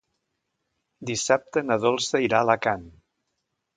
Dissabte na Dolça irà a Alacant.